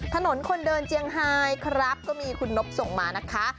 ถนนคนเดินเจียงไฮครับก็มีคุณนบส่งมานะคะ